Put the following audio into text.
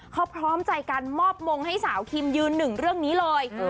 เขาพร้อมใจการมอบมงให้สาวคิมยืนหนึ่งเรื่องนี้เลย